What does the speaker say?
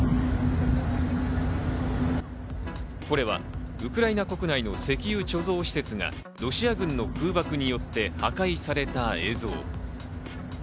これはウクライナ国内の石油貯蔵施設がロシア軍の空爆によって破壊された映像。